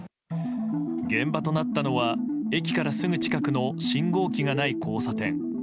現場となったのは、駅からすぐ近くの信号機がない交差点。